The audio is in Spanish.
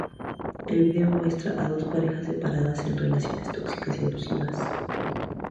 El vídeo muestra a dos parejas separadas en relaciones tóxicas y abusivas.